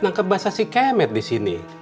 nangkep basah si kemet disini